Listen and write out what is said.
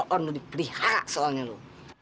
orang lu dipelihara soalnya lu